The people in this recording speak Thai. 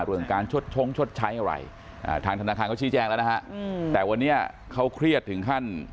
เรื่องการชดชงชดใช้อะไรทางธนาคารเขาชี้แจ้งแล้วนะฮะแต่วันนี้เขาเครียดถึงขั้น